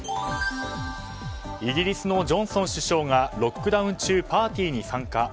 イギリスのジョンソン首相がロックダウン中パーティーに参加。